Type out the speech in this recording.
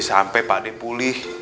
sampai pak de pulih